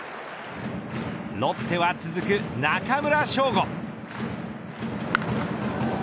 ロッテは続く中村奨吾。